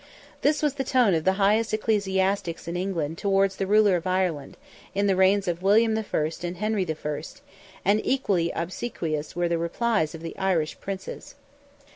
This was the tone of the highest ecclesiastics in England towards the ruler of Ireland, in the reigns of William I. and Henry I., and equally obsequious were the replies of the Irish Princes.